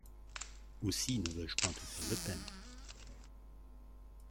Aussi ne veux-je point te faire de peine.